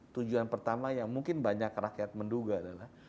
tujuan pertama yang mungkin banyak rakyat menduga adalah